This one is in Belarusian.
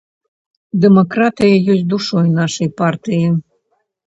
Дэмакратыя ёсць душой нашай партыі.